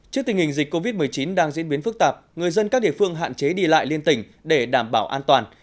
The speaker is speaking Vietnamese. trước tình hình dịch covid một mươi chín đang diễn biến phức tạp người dân các địa phương hạn chế đi lại liên tỉnh để đảm bảo an toàn